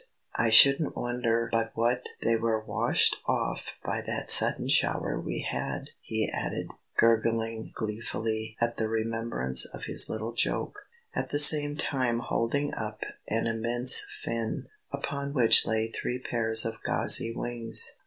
I shouldn't wonder but what they were washed off by that sudden shower we had," he added, gurgling gleefully at the remembrance of his little joke, at the same time holding up an immense fin, upon which lay three pairs of gauzy wings.